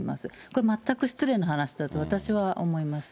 これ、全く失礼な話だと私は思います。